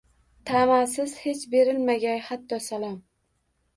Tamasiz hech berilmagay hatto salom.